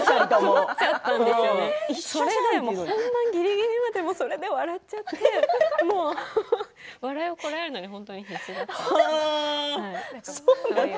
ぎりぎりまでそれで笑っちゃって笑いをこらえるのに本当に必死だったんです。